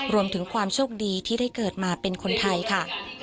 รวมถึงความโชคดีที่ได้เกิดมาเป็นคนไทยค่ะ